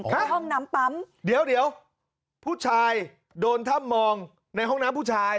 ห้องน้ำปั๊มเดี๋ยวเดี๋ยวผู้ชายโดนถ้ำมองในห้องน้ำผู้ชาย